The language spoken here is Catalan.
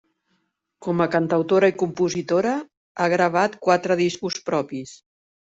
Com a cantautora i compositora, ha gravat quatre discos propis.